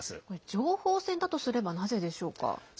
情報戦だとすればなぜでしょうか。